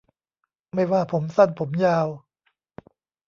ไม่ว่าผมสั้นผมยาว